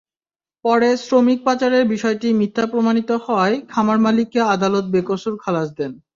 পরে শ্রমিক পাচারের বিষয়টি মিথ্যা প্রমাণিত হওয়ায় খামারমালিককে আদালত বেকসুর খালাস দেন।